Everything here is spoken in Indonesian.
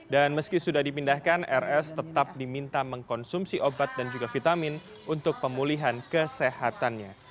dan meski sudah dipindahkan rs tetap diminta mengkonsumsi obat dan juga vitamin untuk pemulihan kesehatannya